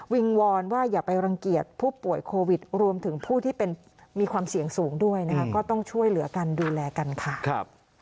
วอนว่าอย่าไปรังเกียจผู้ป่วยโควิดรวมถึงผู้ที่มีความเสี่ยงสูงด้วยนะคะก็ต้องช่วยเหลือกันดูแลกันค่ะ